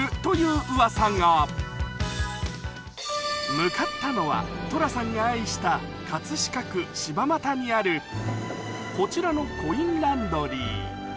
向かったのは寅さんが愛した葛飾区柴又にある、こちらのコインランドリー。